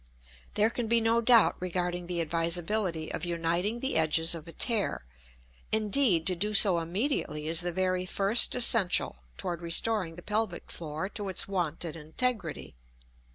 There can be no doubt regarding the advisability of uniting the edges of a tear; indeed, to do so immediately is the very first essential toward restoring the pelvic floor to its wonted integrity.